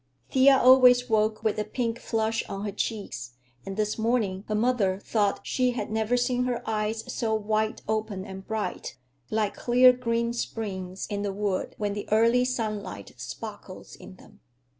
Thea always woke with a pink flush on her cheeks, and this morning her mother thought she had never seen her eyes so wide open and bright; like clear green springs in the wood, when the early sunlight sparkles in them.